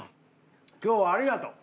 今日はありがとう。